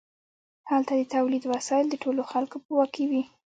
هلته د تولید وسایل د ټولو خلکو په واک کې وي.